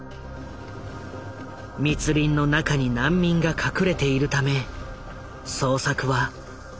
密林の中に難民が隠れているため捜索は困難を極めた。